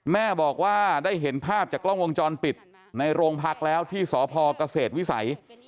แม่บอกว่าได้เห็นภาพจากกล้องวงจรปิดในโรงพักแล้วที่สพเกษตรวิสัย